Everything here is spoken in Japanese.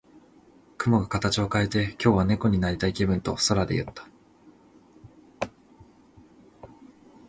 雲が形を変えて、「今日は猫になりたい気分」と空で言った。